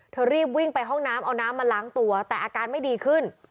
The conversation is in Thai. รีบวิ่งไปห้องน้ำเอาน้ำมาล้างตัวแต่อาการไม่ดีขึ้น